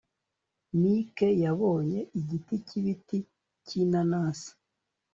Mike yabonye igiti cyibiti byinanasi